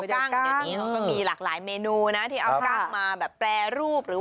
อย่างนี้มันก็มีหลากหลายเมนูนะที่เอากล้างมาแบบแปรรูป